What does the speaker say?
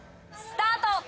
スタート！